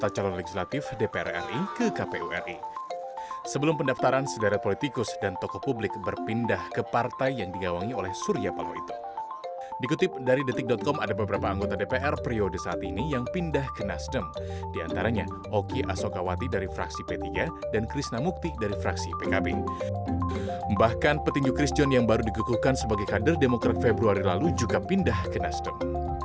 chris john yang baru diguguhkan sebagai kader demokrat februari lalu juga pindah ke nasdem